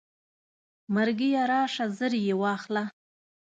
مرګیه راشه زر یې واخله.